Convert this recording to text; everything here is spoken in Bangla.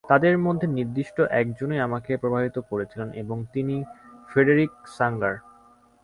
তাঁদের মধ্যে নির্দিষ্ট একজনই আমাকে প্রভাবিত করেছিলেন এবং তিনি ফ্রেডেরিক স্যাঙ্গার।